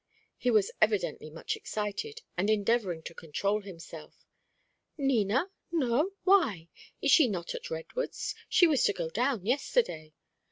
He was evidently much excited, and endeavouring to control himself. "Nina? No. Why? Is she not at Redwoods? She was to go down yesterday."